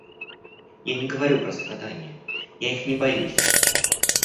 Я не говорю про страдания, я их не боюсь.